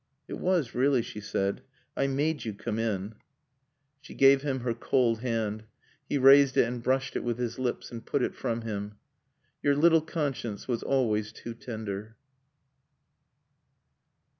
"It was really," she said. "I made you come in." She gave him her cold hand. He raised it and brushed it with his lips and put it from him. "Your little conscience was always too tender."